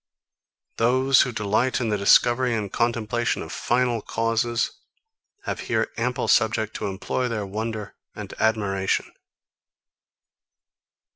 Those, who delight in the discovery and contemplation of final causes, have here ample subject to employ their wonder and admiration.